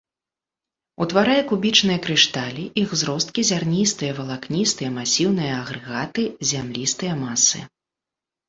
Утварае кубічныя крышталі, іх зросткі, зярністыя, валакністыя, масіўныя агрэгаты, зямлістыя масы.